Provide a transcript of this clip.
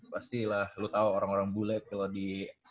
pastilah lo tau orang orang bule kalau di